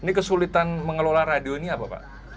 ini kesulitan mengelola radio ini apa pak